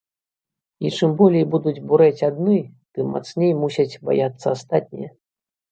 І чым болей будуць бурэць адны, тым мацней мусяць баяцца астатнія.